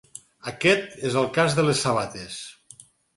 Aquest és el cas de les sabates.